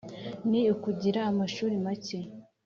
Ni ukugira amashuri make